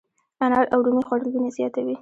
انار او رومي خوړل وینه زیاتوي.